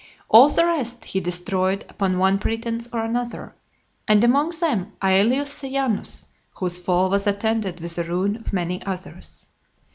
All the rest he destroyed upon one pretence or another; and among them Aelius Sejanus, whose fall was attended with the ruin of many others.